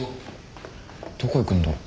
どこ行くんだろ？